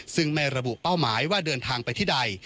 ซึ่งไม่ระบุเป้าหมายว่าเดินทางไปที่ใด